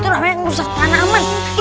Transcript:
banyak yang rusak tanah aman